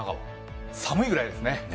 寒いぐらいですね。